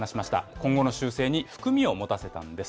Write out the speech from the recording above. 今後の修正に含みを持たせたんです。